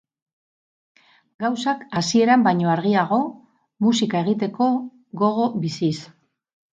Gauzak hasieran baino argiago, musika egiteko gogo biziz.